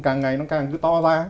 càng ngày nó càng cứ to ra